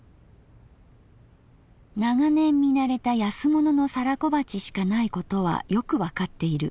「長年見慣れた安物の皿小鉢しかないことはよくわかっている」。